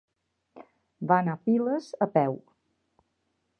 Va anar a Piles a peu.